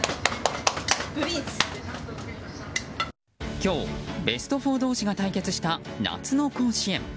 今日、ベスト４同士が対決した夏の甲子園。